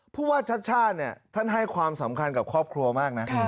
ผู้ว่าชัดชาติเนี่ยท่านให้ความสำคัญกับครอบครัวมากนะ